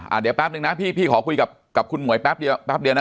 อ่ะเดี๋ยวแปปนึงนะพี่ขอคุยกับคุณหมวยแปปเดียวนะ